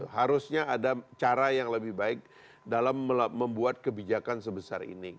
harusnya ada cara yang lebih baik dalam membuat kebijakan sebesar ini